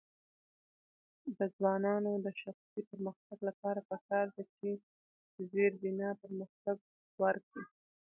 د ځوانانو د شخصي پرمختګ لپاره پکار ده چې زیربنا پرمختګ ورکړي.